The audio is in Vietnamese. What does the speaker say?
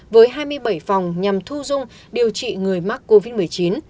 với hai mươi bảy phòng nhằm thu dung điều trị người mắc covid một mươi chín